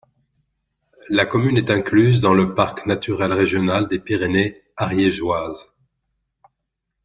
La commune est incluse dans le parc naturel régional des Pyrénées ariégeoises.